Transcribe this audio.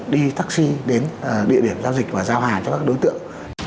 đi taxi đến địa điểm giao dịch và giao hàng cho các đối tượng